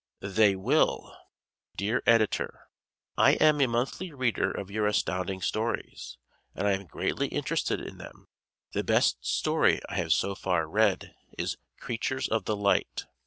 They Will! Dear Editor: I am a monthly reader of your Astounding Stories and I am greatly interested in them. The best story I have so far read is "Creatures of the Light."